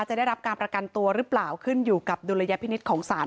ได้รับการประกันตัวหรือเปล่าขึ้นอยู่กับดุลยพินิษฐ์ของศาล